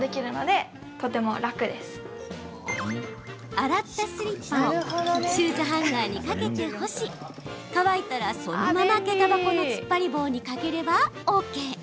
洗ったスリッパをシューズハンガーに掛けて干し乾いたらそのまま、げた箱のつっぱり棒に掛ければＯＫ。